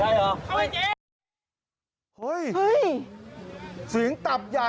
ลองลงไปพี่